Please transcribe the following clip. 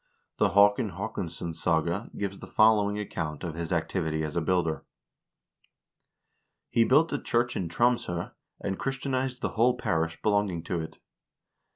The "Haakon Haakonssonssaga " gives the following account of his activity as a builder :" He built a church in Troms0, and Christianized the whole parish belonging to it.